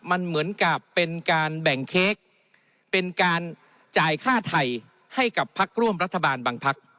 มันเหมือนกับเป็นการแบ่งเค้กเป็นการจ่ายค่าไทยให้กับพักร่วมรัฐบาลบางพัก